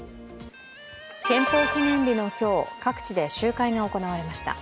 憲法記念日の今日、各地で集会が行われました。